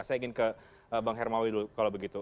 saya ingin ke bang hermawi dulu kalau begitu